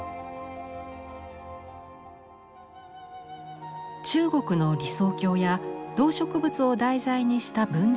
中国の理想郷や動植物を題材にした文人画もあります。